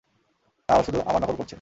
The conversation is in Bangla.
না, ও শুধু আমার নকল করছে।